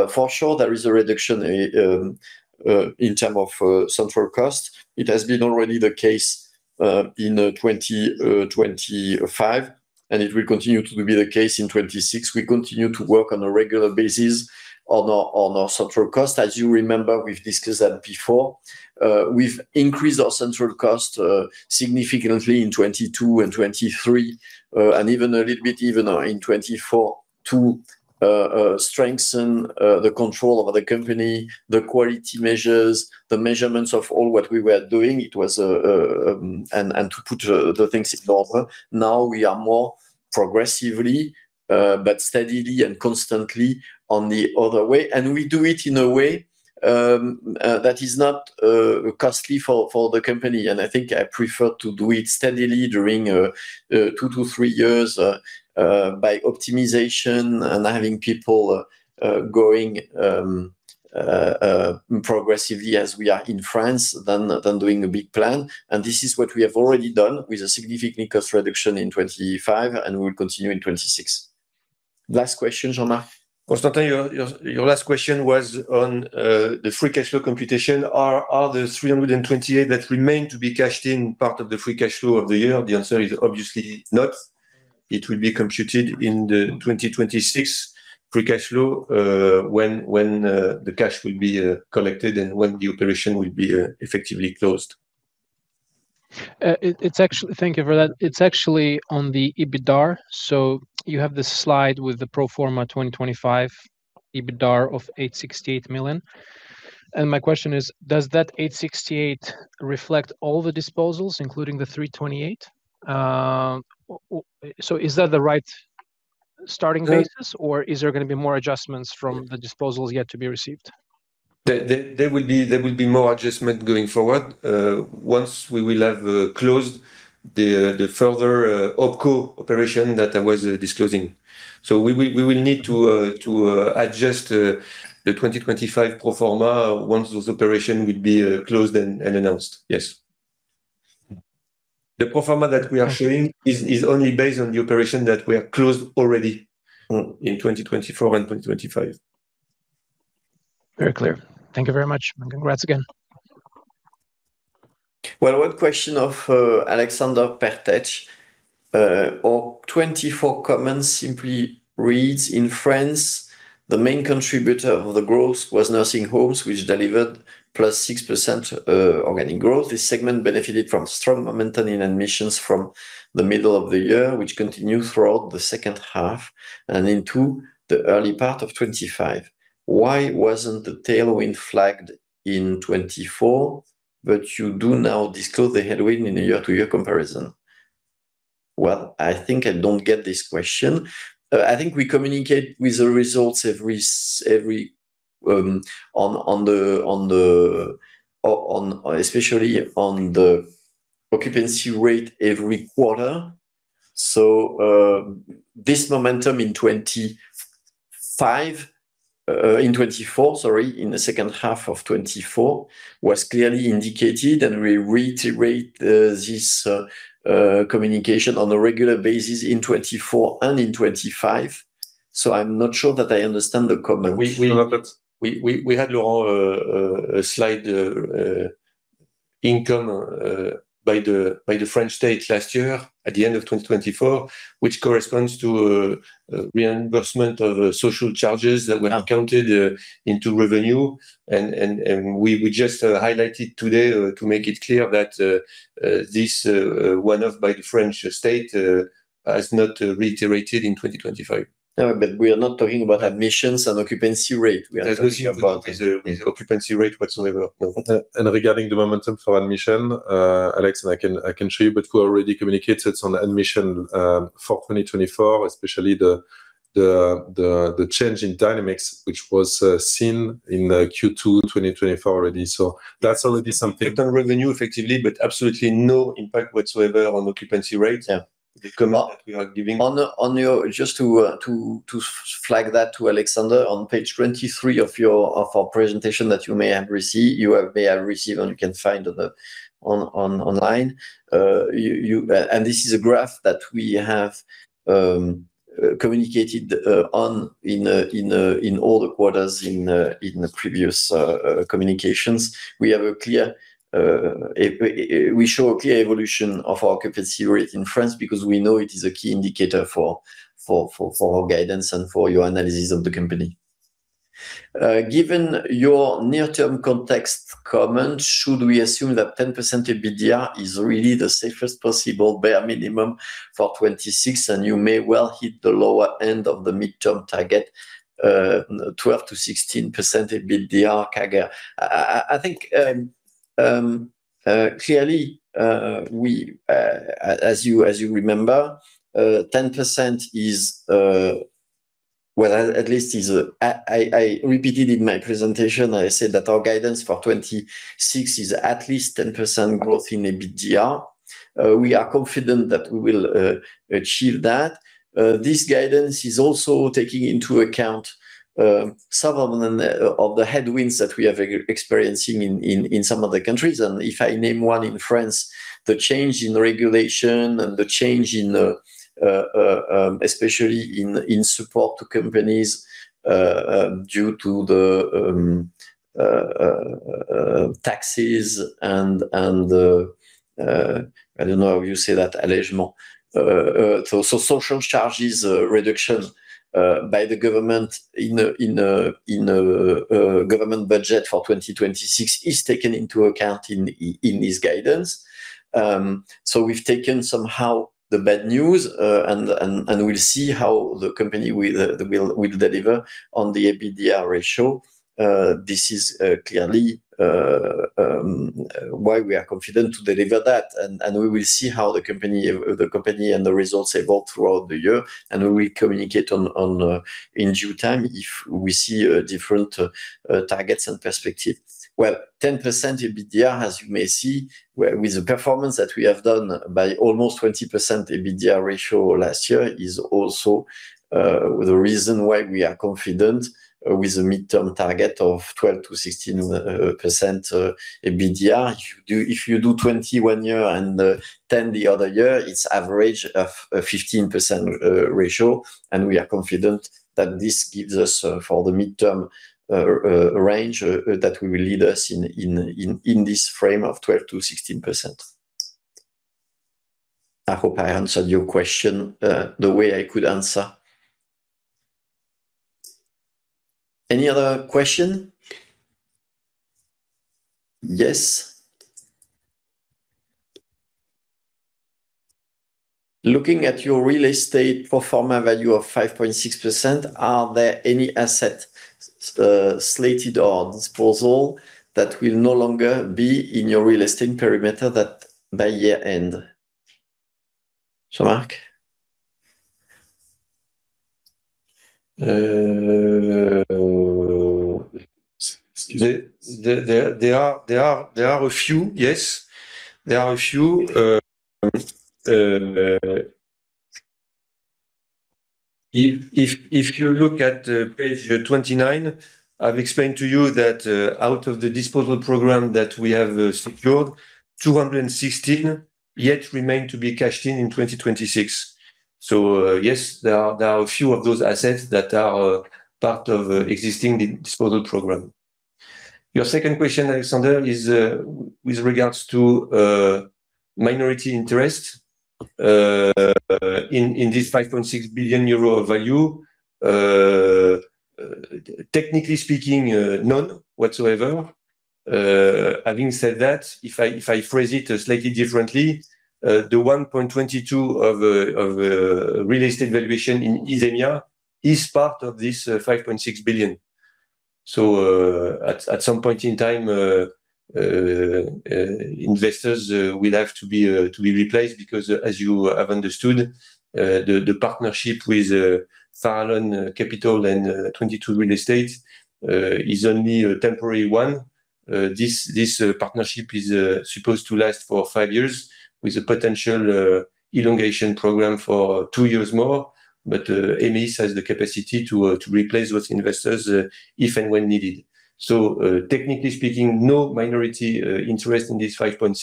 For sure, there is a reduction in term of central cost. It has been already the case in 2025, and it will continue to be the case in 2026. We continue to work on a regular basis on our central cost. As you remember, we've discussed that before. We've increased our central cost significantly in 2022 and 2023, and even a little bit in 2024, to strengthen the control over the company, the quality measures, the measurements of all what we were doing. It was-- And to put the things in order. Now we are more progressively, but steadily and constantly on the other way, and we do it in a way that is not costly for the company. And I think I prefer to do it steadily during two to three years by optimization and having people going progressively as we are in France, than doing a big plan. And this is what we have already done with a significant cost reduction in 2025, and we will continue in 2026. Last question, Jean-Marc? Constantin, your last question was on the free cash flow computation. Are the 328 million that remain to be cashed in part of the free cash flow of the year? The answer is obviously not. It will be computed in the 2026 free cash flow, when the cash will be collected and when the operation will be effectively closed. It's actually—thank you for that. It's actually on the EBITDAR. So you have this slide with the pro forma 2025 EBITDAR of 868 million, and my question is: does that 868 million reflect all the disposals, including the 328 million? So is that the right starting basis or is there going to be more adjustments from the disposals yet to be received? There will be more adjustment going forward, once we will have closed the further OpCo operation that I was disclosing. So we will need to adjust the 2025 pro forma once those operation will be closed and announced. Yes. The pro forma that we are showing is only based on the operation that we have closed already, in 2024 and 2025. Very clear. Thank you very much, and congrats again. Well, one question of Alexander Pertech or 2024 comments simply reads: "In France, the main contributor of the growth was nursing homes, which delivered +6% organic growth. This segment benefited from strong momentum in admissions from the middle of the year, which continued throughout the second half and into the early part of 2025. Why wasn't the tailwind flagged in 2024, but you do now disclose the headwind in a year-to-year comparison?" Well, I think I don't get this question. I think we communicate with the results every on, especially on the occupancy rate every quarter. So, this momentum in 2025, in 2024, sorry, in the second half of 2024, was clearly indicated, and we reiterate this communication on a regular basis in 2024 and in 2025. So I'm not sure that I understand the comment. We had, Laurent, a slight income by the French state last year, at the end of 2024, which corresponds to reimbursement of social charges that were counted into revenue. And we just highlighted today to make it clear that this one-off by the French state is not reiterated in 2025. No, but we are not talking about admissions and occupancy rate. We are talking about occupancy rate whatsoever. Regarding the momentum for admission, Alex, I can show you, but we already communicated on the admission for 2024, especially the change in dynamics, which was seen in Q2 2024 already. So that's already something. The revenue effectively, but absolutely no impact whatsoever on occupancy rate. Yeah, the comment that we are giving on the, on your—just to, to flag that to Alexander, on page 23 of your, of our presentation that you may have received, you have—may have received and you can find online, you-- this is a graph that we have communicated on in all the quarters in the previous communications. We show a clear evolution of our occupancy rate in France because we know it is a key indicator for our guidance and for your analysis of the company. Given your near-term context comment, should we assume that 10% EBITDA is really the safest possible bare minimum for 2026, and you may well hit the lower end of the midterm target, 12%-16% EBITDA CAGR? I think, clearly, we, as you remember, 10% is, well, at least-- I repeated in my presentation, I said that our guidance for 2026 is at least 10% growth in EBITDA. We are confident that we will achieve that. This guidance is also taking into account, some of the, of the headwinds that we are experiencing in some of the countries. If I name one in France, the change in regulation and the change in, especially in support to companies, due to the taxes and, I don't know how you say that, allègement, social charges reduction by the government in government budget for 2026 is taken into account in this guidance. We've taken somehow the bad news, and we'll see how the company will deliver on the EBITDA ratio. This is clearly why we are confident to deliver that, and we will see how the company and the results evolve throughout the year, and we will communicate on in due time if we see different targets and perspectives. Well, 10% EBITDA, as you may see, with the performance that we have done by almost 20% EBITDA ratio last year, is also the reason why we are confident with a midterm target of 12%-16% EBITDA. If you do 20% one year and 10% the other year, it's average of 15% ratio, and we are confident that this gives us for the midterm range that will lead us in this frame of 12%-16%. I hope I answered your question, the way I could answer. Any other question? Yes. "Looking at your real estate pro forma value of 5.6%, are there any asset, slated for disposal that will no longer be in your real estate perimeter that by year end?" Jean-Marc? There are a few, yes. There are a few-- If you look at page 29, I've explained to you that out of the disposal program that we have secured, 216 million yet remain to be cashed in in 2026. So, yes, there are a few of those assets that are part of the existing disposal program. Your second question, Alexander, is with regards to minority interest in this 5.6 billion euro value, technically speaking, none whatsoever. Having said that, if I phrase it slightly differently, the 1.22 billion of real estate valuation in Isemia is part of this 5.6 billion. At some point in time, investors will have to be replaced, because as you have understood, the partnership with Farallon Capital and TwentyTwo Real Estate is only a temporary one. This partnership is supposed to last for five years, with a potential elongation program for two years more. emeis has the capacity to replace those investors if and when needed. Technically speaking, no minority interest in this 5.6 billion,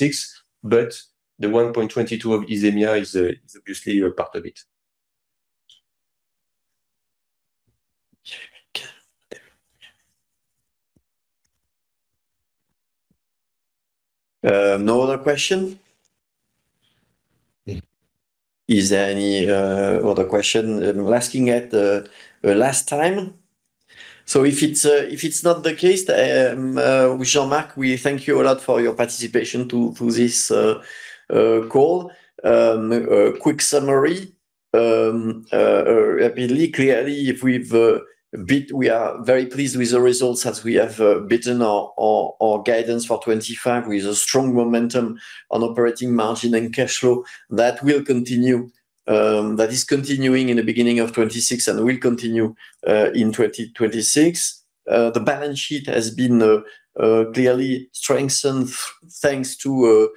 but the 1.22 billion of Isemia is obviously a part of it. No other question? Is there any other question? I'm looking at the last time. So if it's not the case, Jean-Marc, we thank you a lot for your participation to this call. A quick summary. Really, clearly, we are very pleased with the results as we have beaten our guidance for 2025, with a strong momentum on operating margin and cash flow. That will continue. That is continuing in the beginning of 2026 and will continue in 2026. The balance sheet has been clearly strengthened, thanks to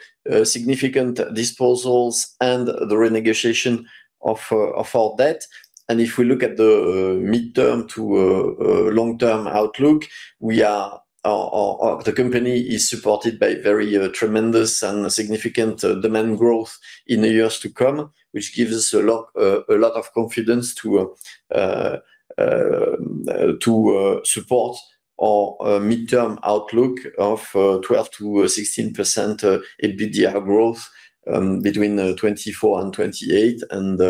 significant disposals and the renegotiation of our debt. If we look at the midterm to long-term outlook, the company is supported by very tremendous and significant demand growth in the years to come, which gives us a lot a lot of confidence to support our midterm outlook of 12%-16% EBITDA growth between 2024 and 2028, and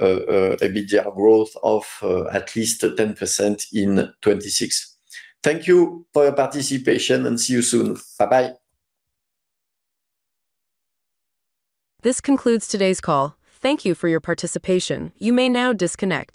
short-term EBITDA growth of at least 10% in 2026. Thank you for your participation, and see you soon. Bye-bye. This concludes today's call. Thank you for your participation. You may now disconnect.